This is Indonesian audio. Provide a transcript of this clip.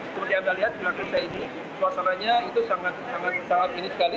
seperti anda lihat di lantai ini suasananya itu sangat sangat sangat ini sekali